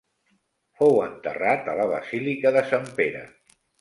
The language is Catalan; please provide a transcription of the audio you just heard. Fou enterrat a la Basílica de Sant Pere.